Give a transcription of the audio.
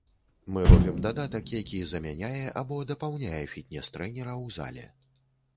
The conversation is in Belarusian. Мы робім дадатак, які замяняе або дапаўняе фітнес-трэнера ў зале.